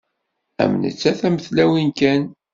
Am nettat am tlawin kan.